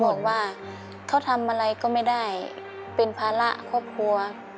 บอกว่าเขาทำอะไรก็ไม่ได้เป็นภาระครอบครัว